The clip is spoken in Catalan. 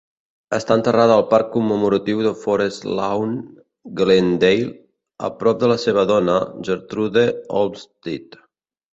Està enterrada al Parc Commemoratiu de Forest Lawn, Glendale, a prop de la seva dona, Gertrude Olmstead.